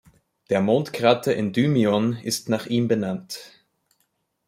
Der Mondkrater Endymion ist nach ihm benannt.